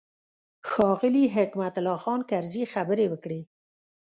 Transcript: ښاغلي حکمت الله خان کرزي خبرې وکړې.